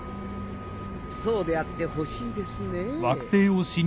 そうであってほしいですね。